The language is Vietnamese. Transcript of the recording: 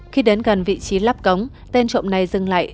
khi đến gần vị trí lắp cống tên trộm này dừng lại